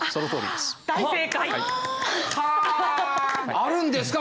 「あるんですか？